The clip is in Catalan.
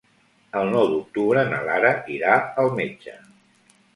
El nou d'octubre na Lara irà al metge.